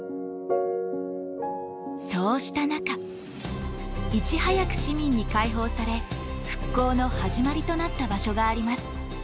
そうした中いち早く市民に開放され復興のはじまりとなった場所があります。